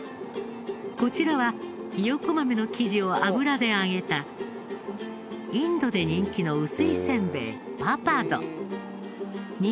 こちらはひよこ豆の生地を油で揚げたインドで人気の薄いせんべいパパド。